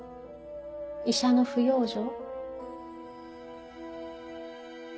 医者の不養生。